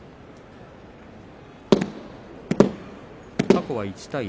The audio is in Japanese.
過去は１対１。